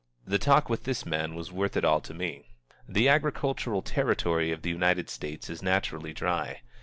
The talk with this man was worth it all to me. The agricultural territory of the United States is naturally dry.